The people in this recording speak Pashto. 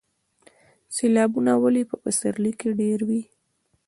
سیلابونه ولې په پسرلي کې ډیر وي؟